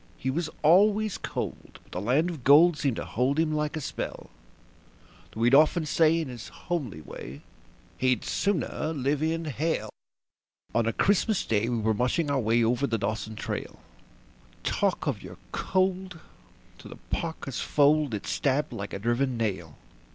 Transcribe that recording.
He was always cold, but the land of gold seemed to hold him like a spell; Though he'd often say in his homely way that he'd "sooner live in hell". On a Christmas Day we were mushing our way over the Dawson trail. Talk of your cold! through the parka's fold it stabbed like a driven nail.